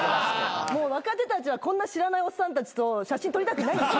もう若手たちはこんな知らないおっさんたちと写真撮りたくないんです。